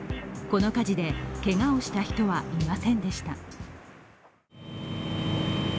この火事で、けがをした人はいませんでした。